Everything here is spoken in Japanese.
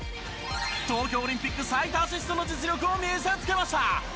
東京オリンピック最多アシストの実力を見せつけました。